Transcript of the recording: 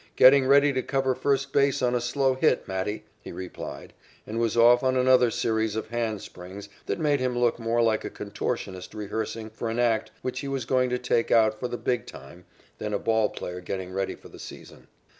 "Getting ready to cover first base on a slow hit, Matty," he replied, and was off on another series of hand springs that made him look more like a contortionist rehearsing for an act which he was going to take out for the "big time" than a ball player getting ready for the season.